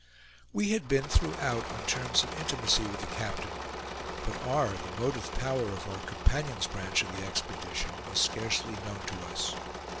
We had been throughout on terms of intimacy with the captain, but R., the motive power of our companions' branch of the expedition, was scarcely known to us.